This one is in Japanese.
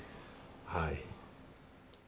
はい。